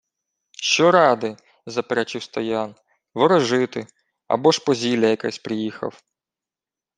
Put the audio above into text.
— Що ради! — заперечив Стоян. — Ворожити. Або ж по зілля якесь приїхав.